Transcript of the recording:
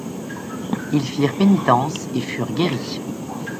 Ils firent pénitence et furent guéris.